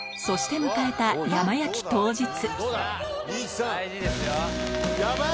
そして迎えた山焼き当日。